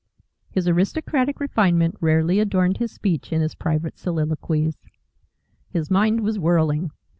(His aristocratic refinement rarely adorned his speech in his private soliloquies.) His mind was whirling.